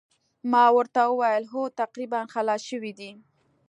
ما ورته وویل هو تقریباً خلاص شوي دي.